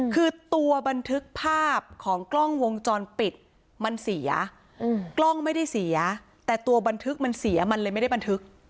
คือตัวบันทึกภาพของกล้องวงจรปิดมันเสียกล้องไม่ได้เสียแต่ตัวบันทึกมันเสียมันเลยไม่ได้บันทึก